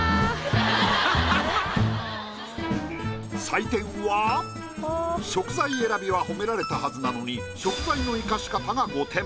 採点は食材選びは褒められたはずなのに食材の生かし方が５点。